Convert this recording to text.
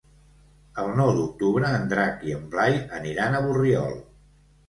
El nou d'octubre en Drac i en Blai aniran a Borriol.